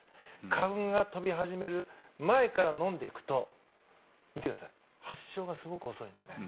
花粉が飛び始める前から飲んでいくと発症がすごく遅いんですね。